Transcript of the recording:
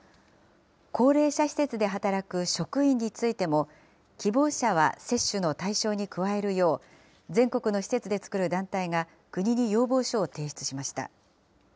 高齢者施設で働く職員についても、希望者は接種の対象に加えるよう、全国の施設で作る団体が、国に要望書を提出しました。